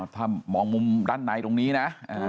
ถ้ามองมุมด้านในตรงนี้นะ